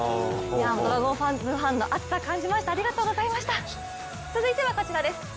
ドラゴンズファンの熱さ感じました、ありがとうございました。